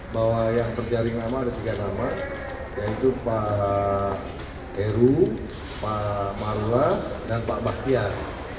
bahwa yang terjaring nama ada tiga nama yaitu pak heru pak marula dan pak bahtiar